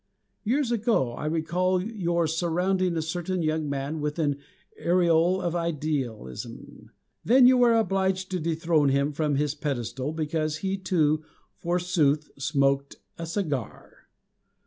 Years ago, I recall your surrounding a certain young man with an aureole of idealism. Then you were obliged to dethrone him from his pedestal because he, too, forsooth, smoked a cigar.